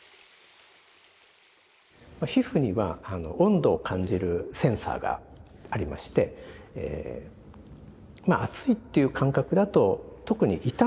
皮膚には温度を感じるセンサーがありまして熱いっていう感覚だと特に痛みと近い感覚なんですね。